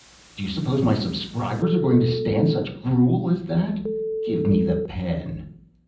Do you suppose my subscribers are going to stand such gruel as that? Give me the pen!"